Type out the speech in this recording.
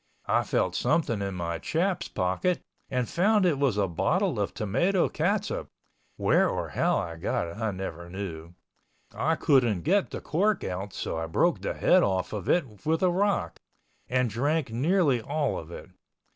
I felt something in my chaps pocket, and found it was a bottle of tomato catsup (where or how I got it I never knew). I couldn't get the cork out so I broke the head off of it with a rock, and drank nearly all of it.